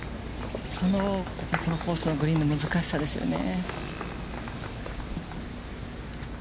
このコースのグリーンの難しさですよね。